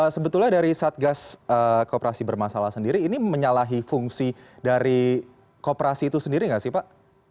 sebetulnya dari satgas kooperasi bermasalah sendiri ini menyalahi fungsi dari kooperasi itu sendiri nggak sih pak